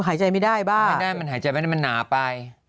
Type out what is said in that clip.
หายใจไม่ได้บ้างไม่ได้มันหายใจไม่ได้มันหนาไป